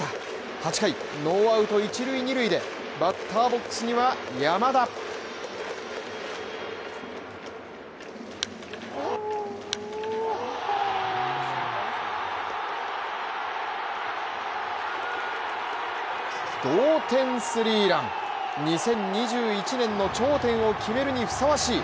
８回ノーアウト１塁２塁でバッターＢＯＸには山田同点スリーラン２０２１年の頂点を決めるにふさわしい